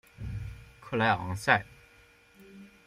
克雷昂塞。